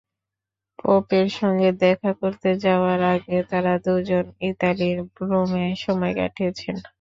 পোপের সঙ্গে দেখা করতে যাওয়ার আগে তাঁরা দুজন ইতালির রোমে সময় কাটিয়েছেন।